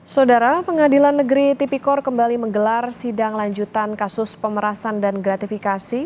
saudara pengadilan negeri tipikor kembali menggelar sidang lanjutan kasus pemerasan dan gratifikasi